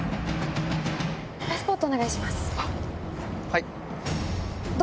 はい。